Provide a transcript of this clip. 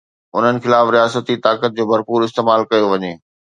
انهن خلاف رياستي طاقت جو ڀرپور استعمال ڪيو وڃي.